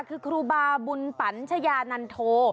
คือครูบาบุญปันชายานันโท